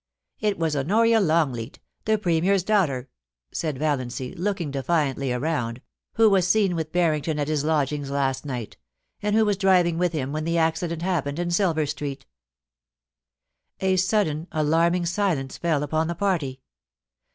* It was Honoria Longleat, the Premier's daughter,' said Valiancy, looking defiantly around, *who was seen with Barrington at his lodgings last night, and who was driving with him when the accident happened in Silver Street' A sudden, alarming silence fell upon the party.